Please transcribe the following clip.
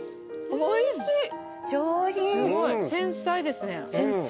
すごい繊細ですね繊細！